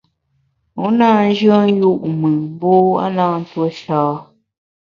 U na nyùen yu’ mùn mbu (w) a na ntuo sha.